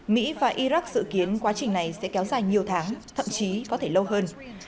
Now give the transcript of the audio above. mỹ và iraq dự kiến quá trình này sẽ kéo dài nhiều tháng thậm chí có thể lâu hơn